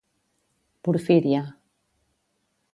Porfíria.